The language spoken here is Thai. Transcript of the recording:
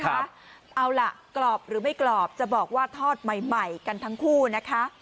เอาล่ะกรอบหรือไม่กรอบจะบอกว่าทอดใหม่กันทั้งคู่นะคะ